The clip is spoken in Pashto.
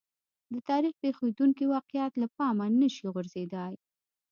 د تاریخ پېښېدونکي واقعات له پامه نه شي غورځېدای.